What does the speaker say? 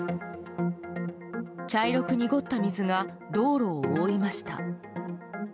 茶色く濁った水が道路を覆いました。